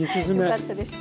よかったです。